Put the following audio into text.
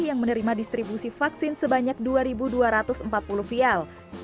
yang menerima distribusi vaksin sebanyak dua dua ratus empat puluh vial